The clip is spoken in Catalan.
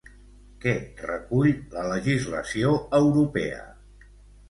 Què recull la legislació europea?